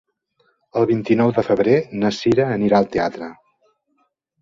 El vint-i-nou de febrer na Cira anirà al teatre.